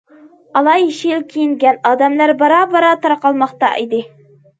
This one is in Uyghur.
ئالا- يېشىل كىيىنگەن ئادەملەر بارا- بارا تارقالماقتا ئىدى.